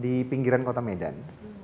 di pinggiran kota medan